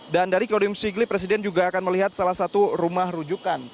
dan dari kodim sigli presiden juga akan melihat salah satu rumah rujukan